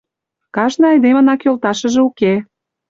Кажне айдемынак йолташыже уке.